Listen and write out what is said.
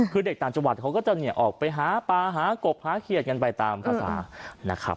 คือเด็กต่างจังหวัดเขาก็จะออกไปหาปลาหากบหาเขียดกันไปตามภาษานะครับ